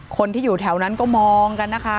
คนที่อยู่แถวนั้นก็มองกันนะคะ